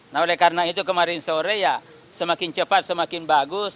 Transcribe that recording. nah oleh karena itu kemarin sore ya semakin cepat semakin bagus